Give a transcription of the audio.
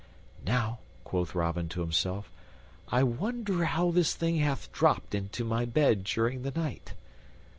"Now," quoth Robin to himself, "I wonder how this thing hath dropped into my bed during the night."